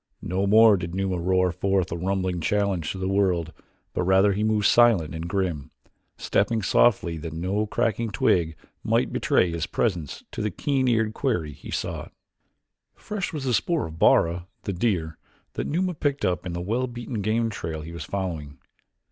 No more did Numa roar forth a rumbling challenge to the world but rather he moved silent and grim, stepping softly that no cracking twig might betray his presence to the keen eared quarry he sought. Fresh was the spoor of Bara, the deer, that Numa picked up in the well beaten game trail he was following.